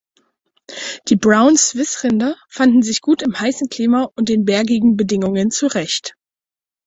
Die Brown-Swiss-Rinder fanden sich gut im heißen Klima und den bergigen Bedingungen zurecht.